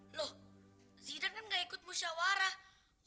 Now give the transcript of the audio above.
loh zidane kan gak ikut musyawarah